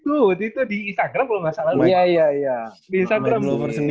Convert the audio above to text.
itu di instagram kalo gak salah